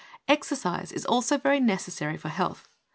Exercise is also very necessary for health.